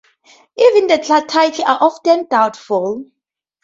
Even the titles are often doubtful.